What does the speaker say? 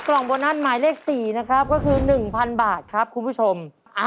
กล่องที่๑ครับ๓๐๐๐บาทนะคะ